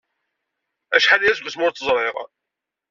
Acḥal aya seg wasmi ur tt-ẓriɣ.